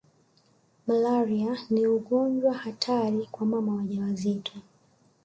Malaria ni ugonjwa hatari kwa mama wajawazito